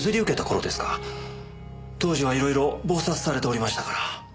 当時は色々忙殺されておりましたから。